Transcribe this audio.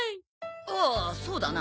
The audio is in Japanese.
ああそうだな。